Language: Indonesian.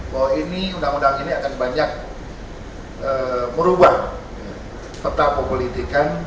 bahwa ini undang undang ini akan banyak merubah peta kepolitikan